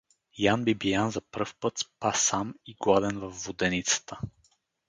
Ян Бибиян за пръв път спа сам и гладен във воденицата.